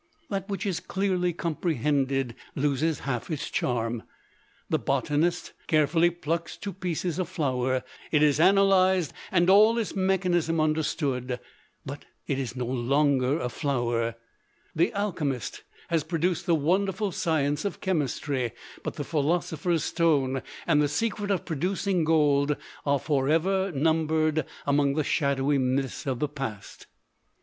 That which is clearly comprehended, loses half its charm. The botanist carefully plucks to pieces a flower; it is analyzed, and all its mechanism understood but it is no longer a flower. The alchemist has produced the wonderful science of chemistry; but the philosopher's stone and the secret of producing gold are forever numbered among the shadowy myths of the past.